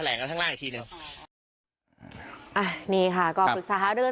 แล้วทางล่างอีกทีนึงอ่านี่ค่ะก็ออกศึกษาหาเดิน